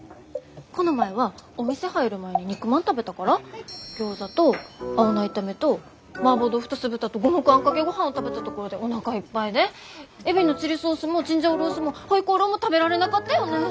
この前はお店入る前に肉まん食べたからギョーザと青菜炒めとマーボー豆腐と酢豚と五目あんかけごはんを食べたところでおなかいっぱいでエビのチリソースもチンジャオロースもホイコーローも食べられなかったよねぇ。